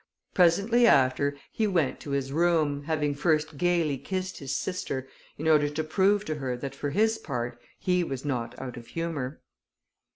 Presently after he went to his room, having first gaily kissed his sister, in order to prove to her, that for his part he was not out of humour.